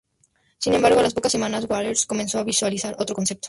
Sin embargo, a las pocas semanas Waters comenzó a visualizar otro concepto.